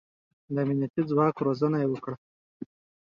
د امنيتي ځواک روزنه يې وکړه.